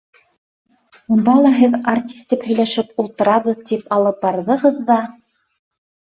Унда ла һеҙ, артист, тип, һөйләшеп ултырабыҙ, тип алып барҙығыҙ ҙа...